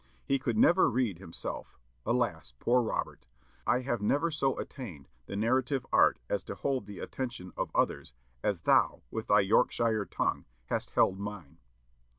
He could never read himself. Alas, poor Robert! I have never so attained the narrative art as to hold the attention of others as thou, with thy Yorkshire tongue, hast held mine.